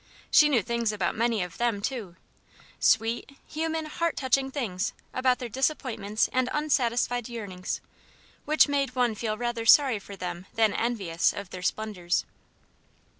She knew things about many of them, too sweet, human, heart touching things about their disappointments and unsatisfied yearnings which made one feel rather sorry for them than envious of their splendours.